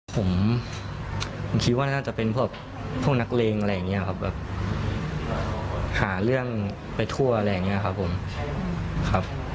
ผมคิดว่าน่าจะเป็นพวกนักเลงอะไรอย่างนี้ครับแบบหาเรื่องไปทั่วอะไรอย่างนี้ครับผมครับ